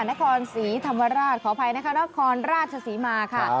นครศรีธรรมราชขออภัยนะคะนครราชศรีมาค่ะ